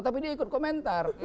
tapi dia ikut komentar